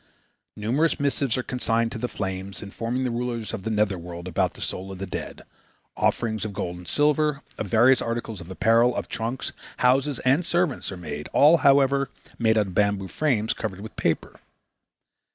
Numerous missives are consigned to the flames, informing the rulers of the nether world about the soul of the dead; offerings of gold and silver, of various articles of apparel, of trunks, houses, and servants are made, all, however, made out of bamboo frames covered with paper.